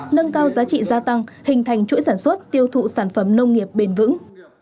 nâng cao giá trị gia tăng hình thành chuỗi sản xuất tiêu thụ sản phẩm nông nghiệp bền vững